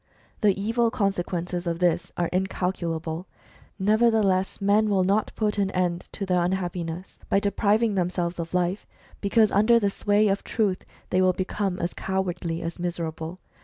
The evil consequences of this are incalculable. Nevertheless, men will not put an end to their unhappiness by depriving themselves of life, because under the sway of Truth they will become as cowardly as miserable.